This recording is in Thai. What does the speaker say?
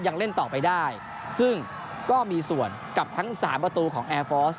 ยังเล่นต่อไปได้ซึ่งก็มีส่วนกับทั้งสามประตูของแอร์ฟอร์ส